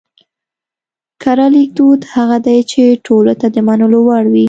کره ليکدود هغه دی چې ټولو ته د منلو وړ وي